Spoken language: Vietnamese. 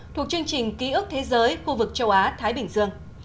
thuộc chương trình ký ức thế giới khu vực châu á thái bình dương